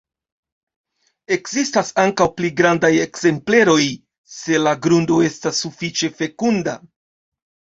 Ekzistas ankaŭ pli grandaj ekzempleroj, se la grundo estas sufiĉe fekunda.